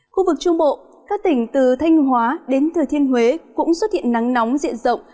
khu vực trung bộ các tỉnh từ thanh hóa đến thừa thiên huế cũng xuất hiện nắng nóng diện rộng